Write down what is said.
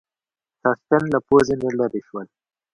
ساسچن له پوزې نه لرې شول.